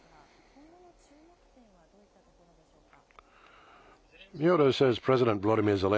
今後の注目点はどういったところでしょうか。